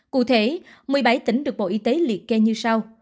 cụ thể một mươi bảy tỉnh được bộ y tế liệt kê như sau